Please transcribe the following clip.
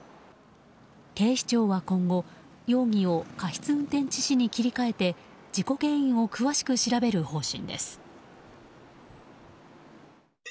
警視庁は今後容疑を過失運転致死に切り替えて事故原因を詳しく調べる方針です。